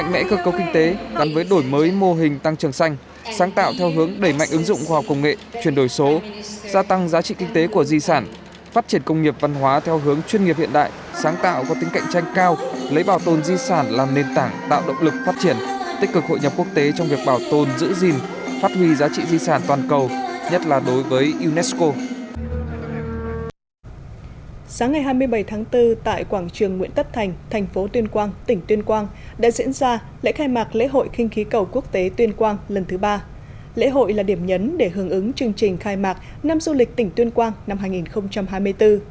lễ hội là điểm nhấn để hưởng ứng chương trình khai mạc năm du lịch tỉnh tuyên quang năm hai nghìn hai mươi bốn đây là lễ hội khinh khí cầu có quy mô lớn nhất việt nam